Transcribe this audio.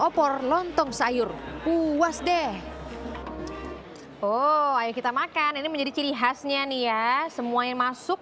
opor lontong sayur puas deh oh ayo kita makan ini menjadi ciri khasnya nih ya semuanya masuk